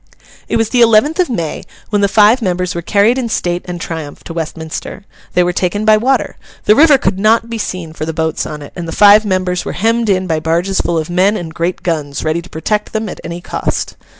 It was the eleventh of May, when the five members were carried in state and triumph to Westminster. They were taken by water. The river could not be seen for the boats on it; and the five members were hemmed in by barges full of men and great guns, ready to protect them, at any cost.